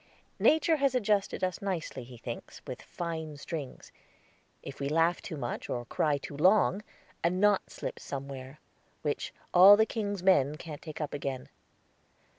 Nature has adjusted us nicely, he thinks, with fine strings; if we laugh too much, or cry too long, a knot slips somewhere, which 'all the king's men' can't take up again.